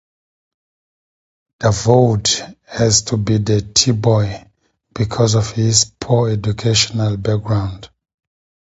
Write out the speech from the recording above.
Davoud has to be the tea-boy because of his poor educational background.